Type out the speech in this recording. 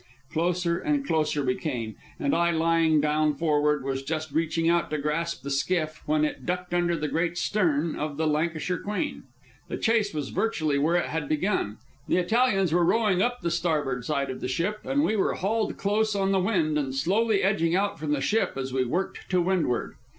Closer and closer we came, and I, lying down forward, was just reaching out to grasp the skiff, when it ducked under the great stern of the Lancashire Queen. The chase was virtually where it had begun. The Italians were rowing up the starboard side of the ship, and we were hauled close on the wind and slowly edging out from the ship as we worked to windward.